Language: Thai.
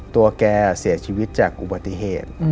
ตัวแกเสียชีวิตจากอุบัติเหตุ